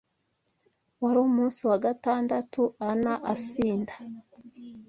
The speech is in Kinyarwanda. Wari umunsi wa gatandatu ana asinda